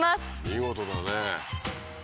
見事だね。